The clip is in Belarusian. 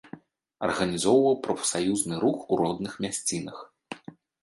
Арганізоўваў прафсаюзны рух у родных мясцінах.